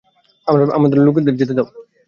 আমার লোকেদের যেতে দাও!